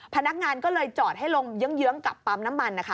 พนักงานก็เลยจอดให้ลงเยื้องกับปั๊มน้ำมันนะคะ